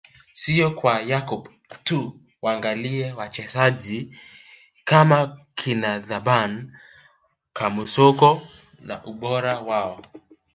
Sio kwa Yakub tu waangalie wachezaji kama kina Thaban Kamusoko na ubora wao